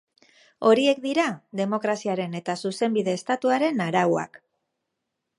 Horiek dira demokraziaren eta zuzenbide estatuaren arauak.